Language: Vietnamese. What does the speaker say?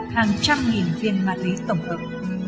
hàng trăm nghìn viên ma túy tổng hợp